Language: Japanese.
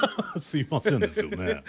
すいませんですよね。